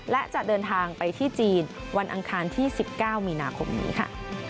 และจะเดินทางไปที่จีนวันอังคารที่๑๙มีนาคมนี้ค่ะ